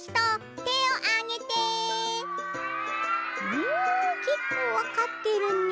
うんけっこうわかってるね。